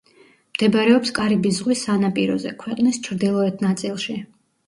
მდებარეობს კარიბის ზღვის სანაპიროზე, ქვეყნის ჩრდილოეთ ნაწილში.